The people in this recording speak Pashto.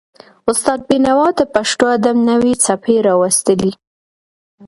استاد بینوا د پښتو ادب نوې څپې راوستلې.